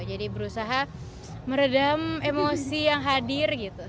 jadi berusaha meredam emosi yang hadir gitu